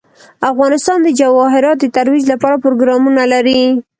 افغانستان د جواهرات د ترویج لپاره پروګرامونه لري.